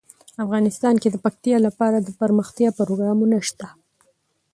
افغانستان کې د پکتیا لپاره دپرمختیا پروګرامونه شته.